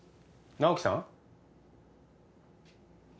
直木さん？